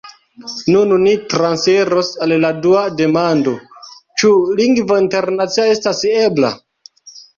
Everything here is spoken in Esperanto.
Nun ni transiros al la dua demando: « ĉu lingvo internacia estas ebla?"